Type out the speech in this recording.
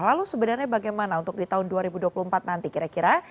lalu sebenarnya bagaimana untuk di tahun dua ribu dua puluh empat nanti kira kira